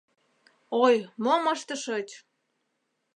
Ой, мом ыштышыч!